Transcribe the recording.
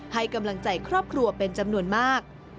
ให้กำลังใจครอบครัวเป็นจำนวนมาก